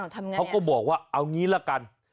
เขาก็บอกว่าเอางี้ละกัน